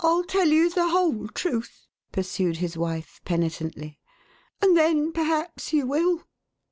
Til tell you the whole truth," pursued his wife, penitently, " and then perhaps you will.